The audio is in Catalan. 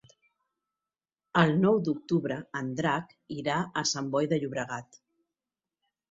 El nou d'octubre en Drac irà a Sant Boi de Llobregat.